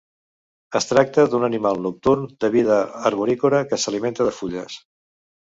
Es tracta d'un animal nocturn de vida arborícola que s'alimenta de fulles.